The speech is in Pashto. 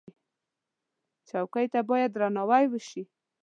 چوکۍ ته باید درناوی وشي.